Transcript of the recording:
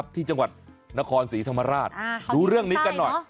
ที่จังหวัดนครศรีธรรมราชดูเรื่องนี้กันหน่อย